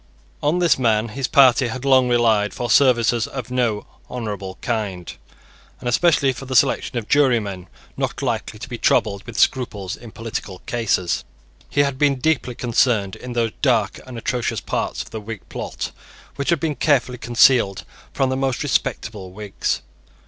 On this man his party had long relied for services of no honourable kind, and especially for the selection of jurymen not likely to be troubled with scruples in political cases. He had been deeply concerned in those dark and atrocious parts of the Whig plot which had been carefully concealed from the most respectable Whigs.